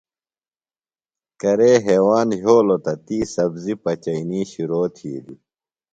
کرے ہیواند یھولوۡ تہ تی سبزیۡ پچئینی شرو تِھیلیۡ۔